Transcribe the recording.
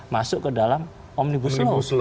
masuk ke dalam omnibus law